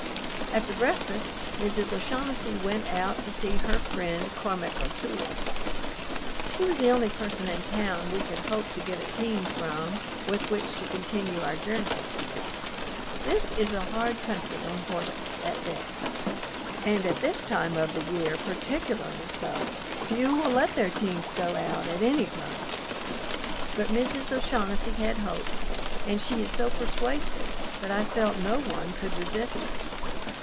After breakfast Mrs. O'Shaughnessy went out to see her friend Cormac O'Toole. He was the only person in town we could hope to get a team from with which to continue our journey. This is a hard country on horses at best, and at this time of the year particularly so; few will let their teams go out at any price, but Mrs. O'Shaughnessy had hopes, and she is so persuasive that I felt no one could resist her.